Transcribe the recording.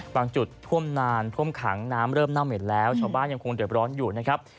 บางจุดท่วมนานท่วมขังน้ำเริ่มเน่าเหม็นแล้วชาวบ้านยังคงเดือบร้อนอยู่นะครับ